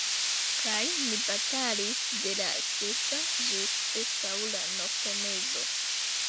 Kaj ni batalis de la sesa ĝis preskaŭ la noktomezo.